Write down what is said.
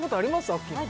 アッキーナ